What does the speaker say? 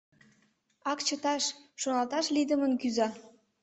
Ак чыташ, шоналташ лийдымын кӱза.